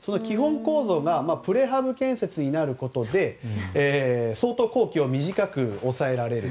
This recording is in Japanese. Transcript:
その基本構造がプレハブ建設になることで相当工期を短くできると。